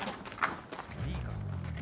いいから。